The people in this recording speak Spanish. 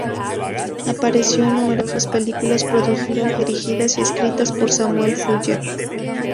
Apareció en numerosas películas producidas, dirigidas y escritas por Samuel Fuller.